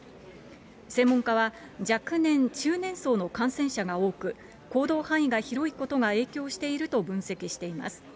専門家は、若年・中年層の感染者が多く、行動範囲が広いことが影響していると分析しています。